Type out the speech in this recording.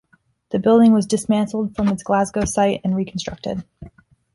The building was dismantled from its Glasgow site and reconstructed.